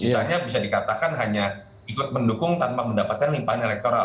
misalnya bisa dikatakan hanya ikut mendukung tanpa mendapatkan limpahan elektoral